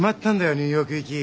ニューヨーク行き。